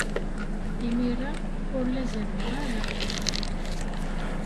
Imir-a, ur la zerrweɣ ara.